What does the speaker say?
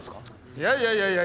いやいやいやいや。